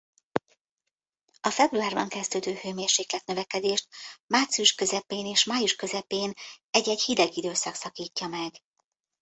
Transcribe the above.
A februárban kezdődő hőmérséklet-növekedést március közepén és május közepén egy-egy hideg időszak szakítja meg.